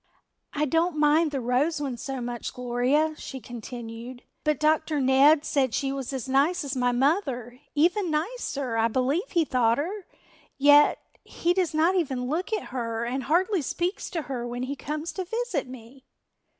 "I don't mind the Rose one so much, Gloria," she continued, "but Dr. Ned said she was as nice as my mother, even nicer I believe he thought her. Yet he does not even look at her and hardly speaks to her when he comes to visit me."